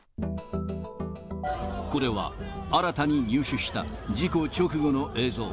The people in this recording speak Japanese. これは、新たに入手した、事故直後の映像。